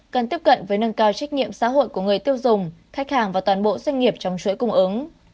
cần tiếp cận với nâng cao trách nhiệm xã hội của người tiêu dùng khách hàng và toàn bộ doanh nghiệp trong chuỗi cung ứng